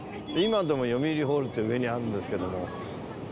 今でもよみうりホールって上にあるんですけども。